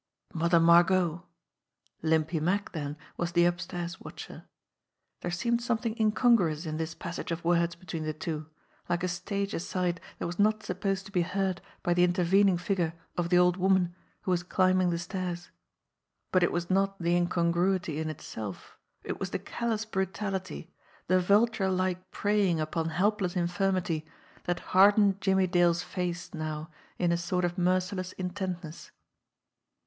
Mother Margot! Limpy Mack, then, was the upstairs watcher. There seemed something incongruous in this passage of words between the two, like a stage aside that was not supposed to be heard by the intervening figure of the old woman who was climbing the stairs ; but it was not the incongruity in itself, it was the callous brutality, the vulture like preying upon helpless infirmity, that hardened Jimmie Dale's face now in a sort of merciless intentness.